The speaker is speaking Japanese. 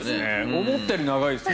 思ったより長いですね。